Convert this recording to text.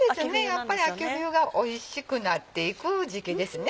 やっぱり秋・冬がおいしくなっていく時期ですね